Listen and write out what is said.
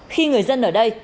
khi người dân ở đây